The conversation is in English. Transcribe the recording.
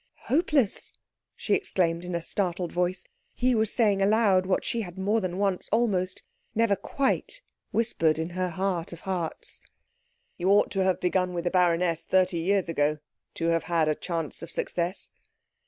"Hopeless?" she exclaimed in a startled voice. He was saying aloud what she had more than once almost never quite whispered in her heart of hearts. "You ought to have begun with the baroness thirty years ago, to have had a chance of success."